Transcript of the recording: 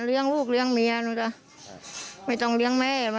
เรียงลูกเรียงเมีย